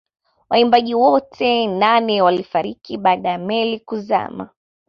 Waimbaji wote nane walifariki baada ya meli kuzama